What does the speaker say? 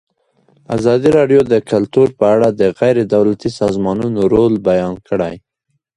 ازادي راډیو د کلتور په اړه د غیر دولتي سازمانونو رول بیان کړی.